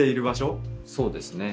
そうですね